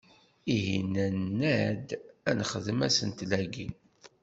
Ihi nenna-d, ad nexdem asentel-agi.